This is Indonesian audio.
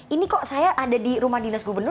ini kok saya ada di rumah dinas gubernur